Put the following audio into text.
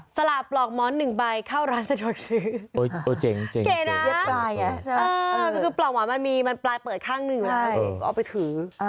สละปลอกหมอนหนึ่งใบเข้าร้านสะดวกซื้อ